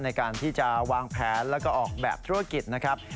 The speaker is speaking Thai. ในการที่จะวางแผนแล้วก็ออกแบบธุรกิจนะครับ